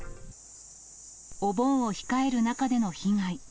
お盆を控える中での被害。